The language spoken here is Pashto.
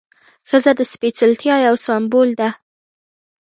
ښځه د سپېڅلتیا یو سمبول ده.